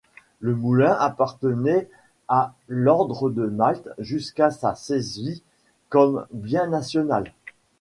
Le moulin appartenait à l'ordre de Malte jusqu'à sa saisie comme Bien national.